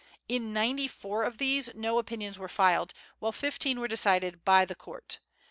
In ninety four of these no opinions were filed, while fifteen were decided "by the court."